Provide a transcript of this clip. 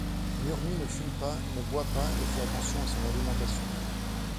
Nurmi ne fume pas, ne boit pas, et fait attention à son alimentation.